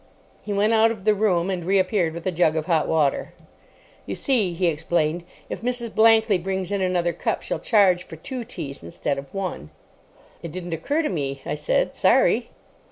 He went out of the room, and reappeared with a jug of hot water. "You see," he explained, "if Mrs. Blankley brings in another cup she'll charge for two teas instead of one." "It didn't occur to me," I said. "Sorry."